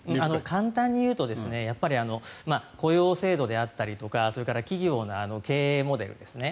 簡単に言うと雇用制度であったりとかそれから企業の経営モデルですね。